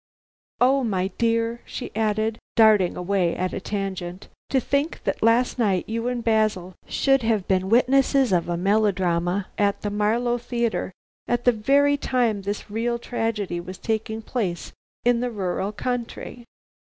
Oh, my dear," she added, darting away at a tangent, "to think that last night you and Basil should have been witnesses of a melodrama at the Marlow Theatre, at the very time this real tragedy was taking place in the rural country."